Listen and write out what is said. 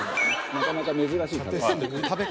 なかなか珍しい食べ方。